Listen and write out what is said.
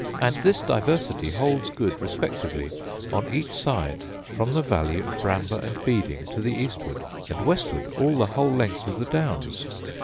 And this diversity holds good respectively on each side from the valley of Bramber and Beeding to the eastward, and westward all the whole length of the downs.